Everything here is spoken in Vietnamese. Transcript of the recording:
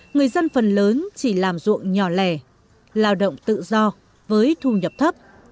người dân phần lớn chỉ làm ruộng nhỏ lẻ lao động tự do với thu nhập thấp